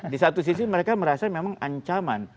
di satu sisi mereka merasa memang ancaman